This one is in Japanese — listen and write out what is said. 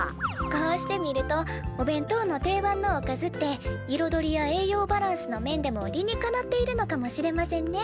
こうしてみるとお弁当の定番のおかずっていろどりや栄養バランスの面でも理にかなっているのかもしれませんね。